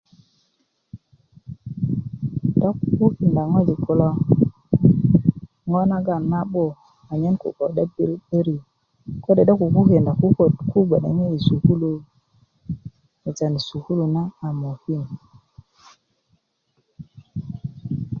do kukukinda ŋojik kulo ŋo' naŋ na'but a nyen koko 'debiri 'barik kode' do kukukinda koko ti gbo'deŋe yi sukulu asan sukulu na a mokim